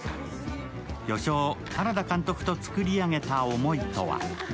巨匠・原田監督と作り上げた思いとは。